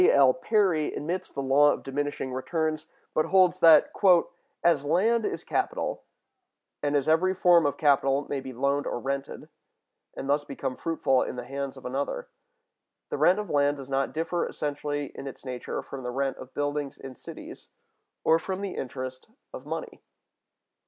L. Perry(184) admits the law of diminishing returns, but holds that, "as land is capital, and as every form of capital may be loaned or rented, and thus become fruitful in the hands of another, the rent of land does not differ essentially in its nature from the rent of buildings in cities, or from the interest of money."